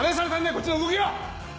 こっちの動きを！！